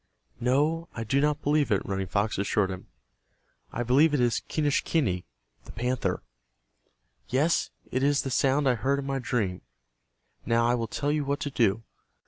"No, I do not believe it," Running Fox assured him. "I believe it is Quenischquney, the panther. Yes, it is the sound I heard in my dream. Now I will tell you what to do.